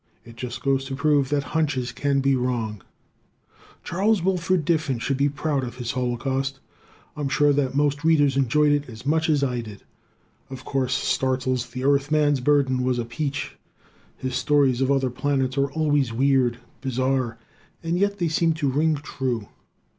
It just goes to prove that hunches can be wrong. Charles Willard Diffin should be proud of his "Holocaust." I'm sure that most Readers enjoyed it as much as I did. Of course, Starzl's "The Earthman's Burden" was a peach. His stories of other planets are always weird, bizarre, and yet they seem to ring true.